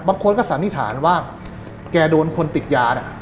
บางคนก็สันนิษฐานว่าแกโดนคนติดยาน่ะ